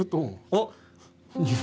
あっ。